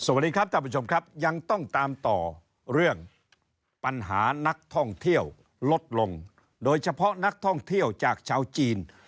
สวัสดีครับท่านผู้ชมครับยังต้องตามต่อเรื่องปัญหานักท่องเที่ยวลดลงโดยเฉพาะนักท่องเที่ยวจากชาวจีน